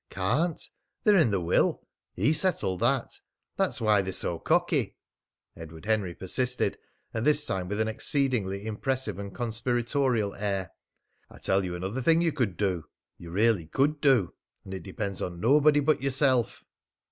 "Can't! They're in the will. He settled that. That's why they're so cocky." Edward Henry persisted, and this time with an exceedingly impressive and conspiratorial air: "I tell you another thing you could do you really could do and it depends on nobody but yourself."